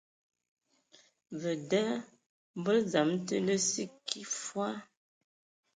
Vǝ da mbol dzam te lǝ sǝ kig fɔɔ.